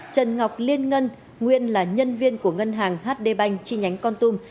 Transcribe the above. trần ngọc liên ngân nguyên là nhân viên của ngân hàng hd banh chi nhánh con tùm